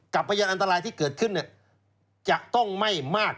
พยานอันตรายที่เกิดขึ้นจะต้องไม่มาก